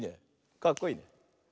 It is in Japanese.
かっこいいね。